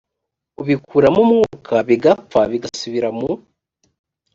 ubikuramo umwuka bigapfa bigasubira mu